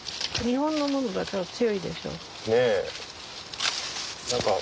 日本のものだから強いでしょ。